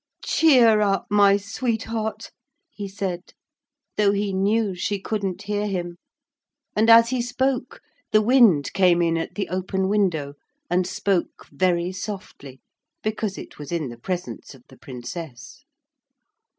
'Cheer up, my sweetheart,' he said, though he knew she couldn't hear him, and as he spoke the wind came in at the open window, and spoke very softly, because it was in the presence of the Princess.